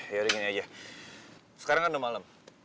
ya udah gini aja sekarang kan udah malem